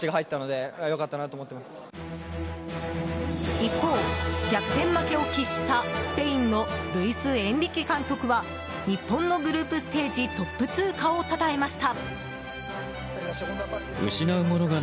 一方、逆転負けを喫したスペインのルイス・エンリケ監督は日本のグループステージトップ通過をたたえました。